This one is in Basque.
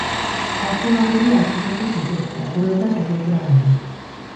Gazte bat ere atxilotu zuten, lapurreta saiakeragatik.